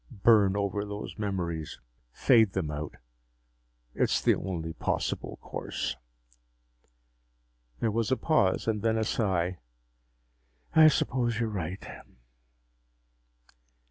Burn over those memories, fade them out. It's the only possible course." There was a pause and then a sigh. "I suppose you're right."